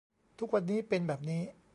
ทุกวันนี้เป็นแบบนี้